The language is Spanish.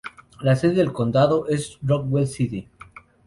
La sede del condado es Rockwell City.